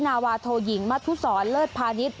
นาวาโทยิงมัธุศรเลิศพาณิชย